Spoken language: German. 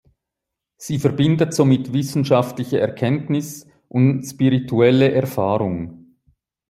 Sie verbindet somit wissenschaftliche Erkenntnis und spirituelle Erfahrung.